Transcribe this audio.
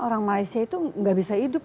orang malaysia itu nggak bisa hidup